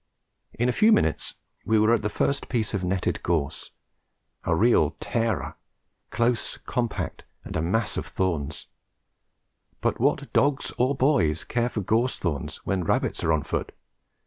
In a few minutes we were at the first piece of netted gorse a real tearer, close, compact and a mass of thorns; but what dogs or boys care for gorse thorns when rabbits are on foot?